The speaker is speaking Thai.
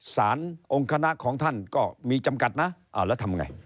สารองค์คณะของท่านก็มีจำกัดนะแล้วทำไง